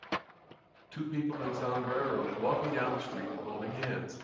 two people in sombreros walking down the street holding hands.